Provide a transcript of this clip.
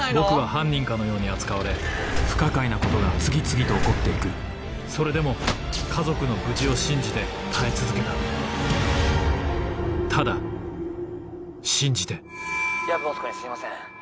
僕は犯人かのように扱われ不可解なことが次々と起こって行くそれでも家族の無事を信じて耐え続けたただ信じて夜分遅くにすいません。